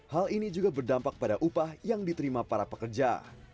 hal ini juga berdampak pada upah yang diterima para pekerja